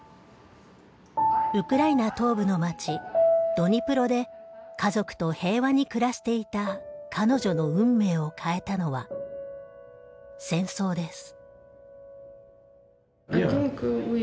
ウクライナ東部の町ドニプロで家族と平和に暮らしていた彼女の運命を変えたのは戦争です。